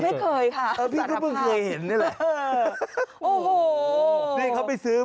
ไม่เคยค่ะพี่เขาเผื่อเคยเห็นนี่แหละ